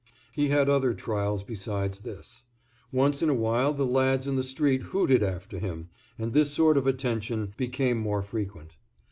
He had other trials besides this. Once in a while the lads in the street hooted after him, and this sort of attention became more frequent.